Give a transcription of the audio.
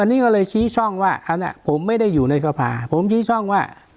อันนี้ก็เลยชี้ช่องว่าอันนั้นผมไม่ได้อยู่ในสภาผมชี้ช่องว่า